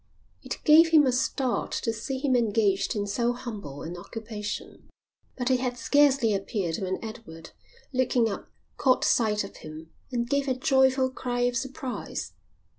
It gave him a start to see him engaged in so humble an occupation. But he had scarcely appeared when Edward, looking up, caught sight of him, and gave a joyful cry of surprise.